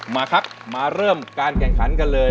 มาครับมาเริ่มการแข่งขันกันเลย